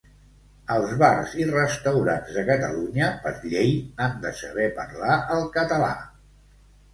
Als bars i restaurants de Catalunya per llei han de saber parlar el català